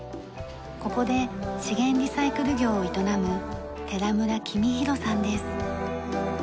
ここで資源リサイクル業を営む寺村公博さんです。